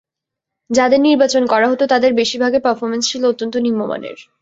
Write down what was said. যাঁদের নির্বাচন করা হতো, তাঁদের বেশির ভাগের পারফরম্যান্স ছিল অত্যন্ত নিম্নমানের।